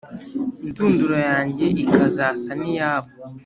indunduro yanjye ikazasa n’iyabo!